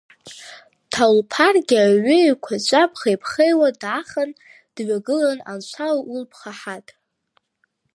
Ҭалуԥаргьы аҩы еиқәаҵәа ԥхеиԥхеиуа даахан, дҩагыланы Анцәа улԥха ҳаҭ!